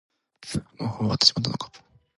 もうほぼ終わってしまったのか。